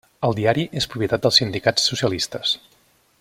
El diari és propietat dels sindicats socialistes.